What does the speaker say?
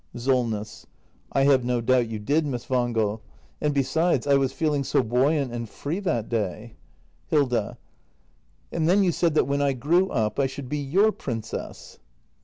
SOLNESS. I have no doubt you did, Miss Wangel. — And besides — I was feeling so buoyant and free that day Hilda. And then you said that when I grew up I should be your princess.